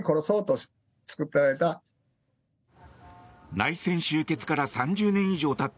内戦終結から３０年以上たった